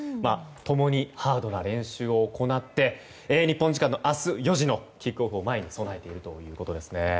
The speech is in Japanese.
共にハードな練習を行って日本時間の明日４時のキックオフを前に備えているということですね。